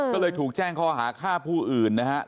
ก็เลยถูกแจ้งข้อหาฆ่าผู้อื่นนะครับ